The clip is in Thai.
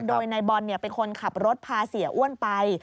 โดยนายบอลเป็นคนขับรถพาเสียอ้วนไป